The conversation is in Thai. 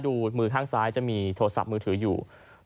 ดูมือข้างซ้ายจะมีโทรศัพท์มือถืออยู่